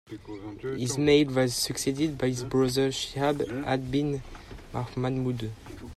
Ismail was succeeded by his brother Shihab ad-Din Mahmud.